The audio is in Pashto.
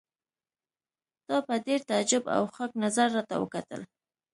تا په ډېر تعجب او خوږ نظر راته وکتل.